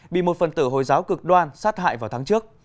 bị một phần tử hồi giáo cực đoan sát hại vào tháng trước